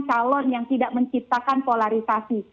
calon yang tidak menciptakan polarisasi